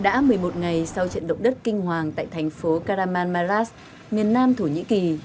đã một mươi một ngày sau trận động đất kinh hoàng tại thành phố karaman malas miền nam thổ nhĩ kỳ